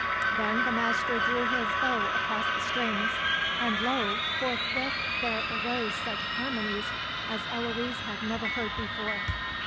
Then the Master drew his bow across the strings, and lo! forthwith there arose such harmonies as Eloise had never heard before.